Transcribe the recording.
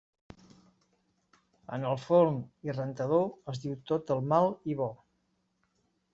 En el forn i rentador, es diu tot el mal i bo.